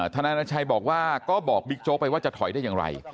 นายนาชัยบอกว่าก็บอกบิ๊กโจ๊กไปว่าจะถอยได้อย่างไร